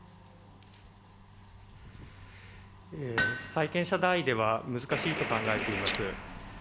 債権者代位では、難しいと考えています。